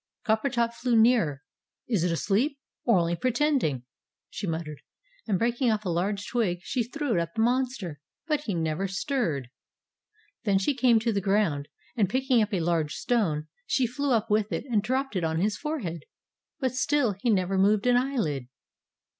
Coppertop flew nearer. "Is it asleep, or only pretending?" she muttered, and breaking off a large twig, she threw it at the monster. But he never stirred. Then she came to the ground, and, picking up a large stone, she flew up with it and dropped it on to his forehead. But still he never moved an eyelid.